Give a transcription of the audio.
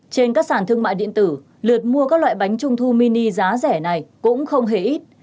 trên các sản thương mại điện tử lượt mua các loại bánh trung thu mini giá rẻ này cũng không hề ít